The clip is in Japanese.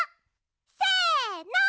せの。